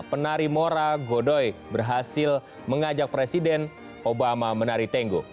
penari mora godoy berhasil mengajak presiden obama menari tengo